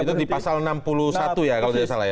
itu di pasal enam puluh satu ya kalau tidak salah ya